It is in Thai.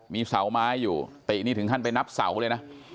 มีเสาไม้อยู่ตินี่ถึงขั้นไปนับเสาเลยนะ